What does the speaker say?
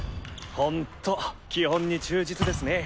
ほんと基本に忠実ですね